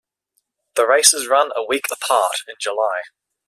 The races run a week apart, in July.